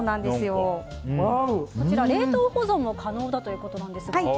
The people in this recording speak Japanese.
こちら冷凍保存も可能ということですが。